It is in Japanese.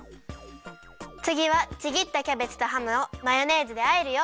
つぎはちぎったキャベツとハムをマヨネーズであえるよ。